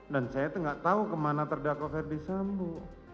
dan saya itu enggak tahu kemana terdakwa ferdi sambut